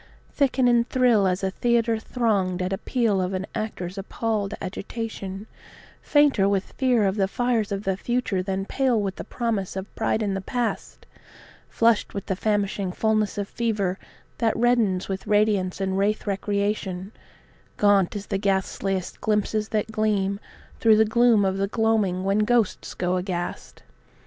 Thicken and thrill as a theatre thronged at appeal of an actor's appalled agitation, Fainter with fear of the fires of the future than pale with the promise of pride in the past; Flushed with the famishing fullness of fever that reddens with radiance and rathe* recreation, [speedy] Gaunt as the ghastliest of glimpses that gleam through the gloom of the gloaming when ghosts go aghast?